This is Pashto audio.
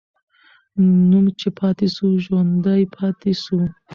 نوم چې پاتې سو، ژوندی پاتې سو.